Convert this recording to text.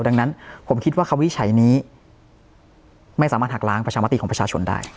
ดังนั้นผมคิดว่าคำวิจัยนี้ไม่สามารถหักล้างประชามติของประชาชนได้